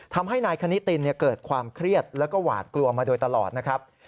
ทำให้นายคณิตินเกิดความเครียดแล้วก็หวาดกลัวมาโดยตลอดนะครับ